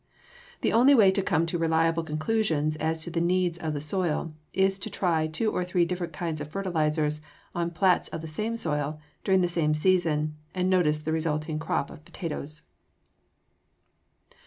The only way to come to reliable conclusions as to the needs of the soil is to try two or three different kinds of fertilizers on plats of the same soil, during the same season, and notice the resulting crop of potatoes.